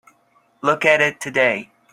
Look at it today.